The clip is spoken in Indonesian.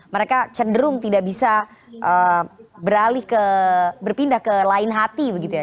mereka cenderung tidak bisa berpindah ke lain hati begitu ya